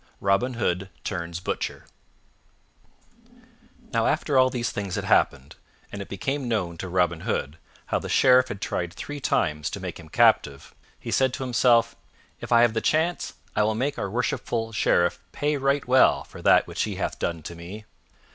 Robin Hood Turns Butcher NOW AFTER all these things had happened, and it became known to Robin Hood how the Sheriff had tried three times to make him captive, he said to himself, "If I have the chance, I will make our worshipful Sheriff pay right well for that which he hath done to me.